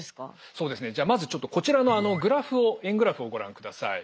そうですねじゃあまずちょっとこちらのグラフを円グラフをご覧ください。